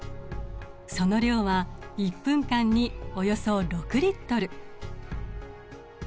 その量は１分間におよそ６リットル。